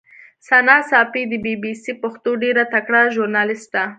ثنا ساپۍ د بي بي سي پښتو ډېره تکړه ژورنالیسټه